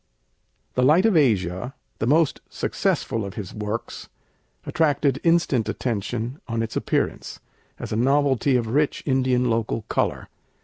'The Light of Asia,' the most successful of his works, attracted instant attention on its appearance, as a novelty of rich Indian local color.